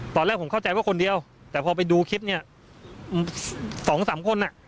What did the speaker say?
ตอนแรกผมเข้าใจว่าคนเดียวแต่พอไปดูคลิปเนี่ยสองสามคนอ่ะ